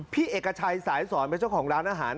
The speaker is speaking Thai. พี่เอกชัยสายสอนเป็นเจ้าของร้านอาหาร